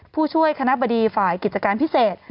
ผู้ช่วยคณะบดีฝ่ายกิจการพิเศษ